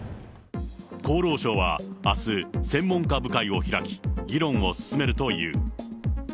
厚労省はあす、専門家部会を開き、議論を進めるという。